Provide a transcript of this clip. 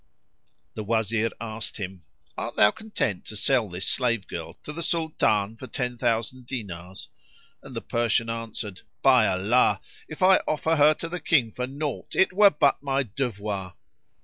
[FN#9]" The Wazir asked him, "Art thou content to sell this slave girl to the Sultan for ten thousand dinars?"; and the Persian answered, "By Allah, if I offer her to the King for naught, it were but my devoir."